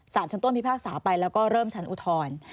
ชั้นต้นพิพากษาไปแล้วก็เริ่มชั้นอุทธรณ์